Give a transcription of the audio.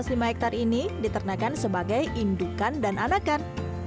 keseruan lima hektare ini diternakan sebagai indukan dan anakan